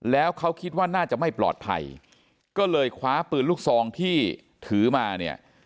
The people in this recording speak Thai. แล้วเขาคิดว่าน่าจะไม่ปลอดภัยก็เลยคว้าปืนลูกซองที่ถือมาเนี่ย